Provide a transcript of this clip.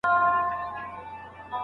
اسلام د نورو مقدساتو سپکاوی نه خوښوي.